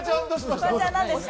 フワちゃん、なんですか？